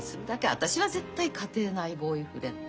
私は絶対家庭内ボーイフレンド。